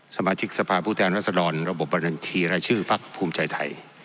สมาชิกสภาพผู้แทนรัศดรระบบบบัญชีรายชื่อพักภูมิใจไทย